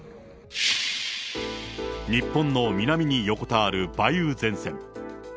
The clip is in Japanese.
日本の南に横たわる梅雨前線。